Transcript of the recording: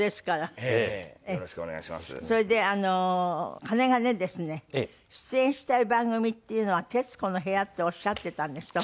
それでかねがねですね出演したい番組っていうのは『徹子の部屋』っておっしゃっていたんですって？